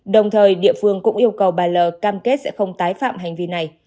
đồng thời địa phương cũng yêu cầu bà l cam kết sẽ không tái phạm hành vi này